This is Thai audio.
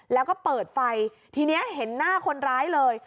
แล้วก็เปิดไฟทีนี้เห็นหน้าคนร้ายเลย